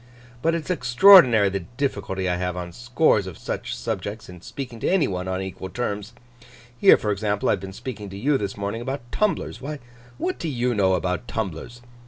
'But it's extraordinary the difficulty I have on scores of such subjects, in speaking to any one on equal terms. Here, for example, I have been speaking to you this morning about tumblers. Why, what do you know about tumblers?